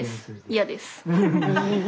嫌です。